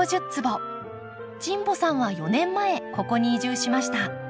神保さんは４年前ここに移住しました。